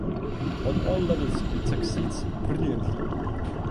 On all levels it succeeds brilliantly.